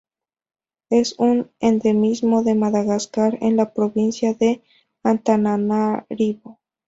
Es un endemismo de Madagascar en la provincia de Antananarivo.